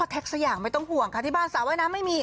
พ่อดวงแทคสักอย่างไม่ต้องขอว่างบ้านก็ไม่มี